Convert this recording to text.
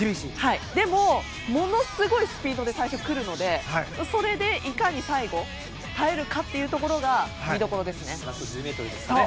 でも、ものすごいスピードで最初くるのでそれでいかに最後耐えるかというところがラスト１０ｍですね。